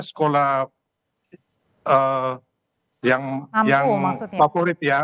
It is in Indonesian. sekolah yang favorit ya